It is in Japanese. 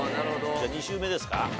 じゃあ２周目ですか？